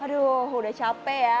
aduh udah capek ya